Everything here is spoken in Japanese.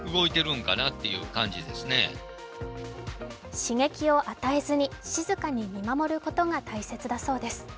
刺激を与えずに静かに見守ることが大雪だそうです。